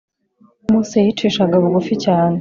mose yicishaga bugufi cyane